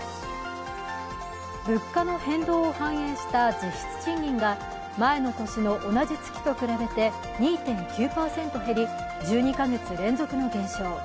物価の変動を反映した実質賃金が前の年の同じ月と比べて２．９％減り１２か月連続の減少。